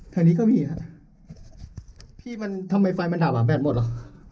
ทางนี้ก็มีอ่ะครับพี่มันทำไมฟังมันตอบกับแบบหมดละ